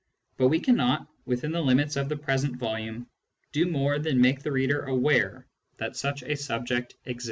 But we cannot, within the limits of the present volume, do more than make the reader aware that such a subject exists.